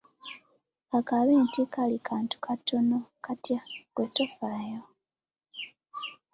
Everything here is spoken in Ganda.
Ka kabe nti kaali kantu katono katya ggwe tofaayo!